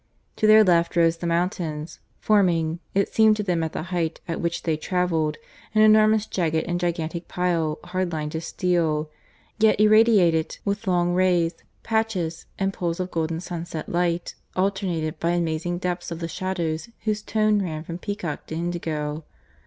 To their left rose the mountains, forming, it seemed to them at the height at which they travelled, an enormous jagged and gigantic pile, hard lined as steel, yet irradiated with long rays, patches, and pools of golden sunset light alternated by amazing depths of the shadow whose tones ran from peacock to indigo.